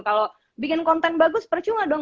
kalau bikin konten bagus percuma dong